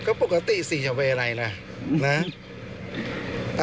ก็ปกติสิจะเป็นอะไรล่ะนะ